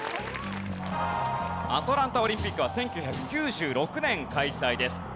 アトランタオリンピックは１９９６年開催です。